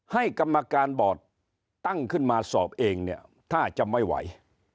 ให้กรรมการบอร์ดตั้งขึ้นมาสอบเองเนี่ยถ้าจะไม่ไหว